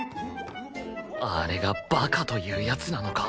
あれがバカというやつなのか？